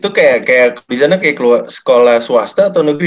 itu kayak di sana kayak sekolah swasta atau negeri